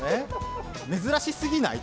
珍しすぎない？